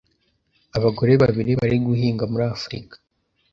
Abagore babiri bari guhinga muri Afurika